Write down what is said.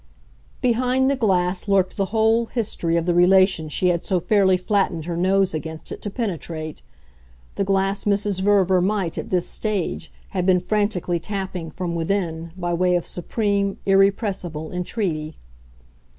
Behind the glass lurked the WHOLE history of the relation she had so fairly flattened her nose against it to penetrate the glass Mrs. Verver might, at this stage, have been frantically tapping, from within, by way of supreme, irrepressible entreaty.